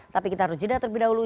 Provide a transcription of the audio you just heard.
tapi kita harus jeda terlebih dahulu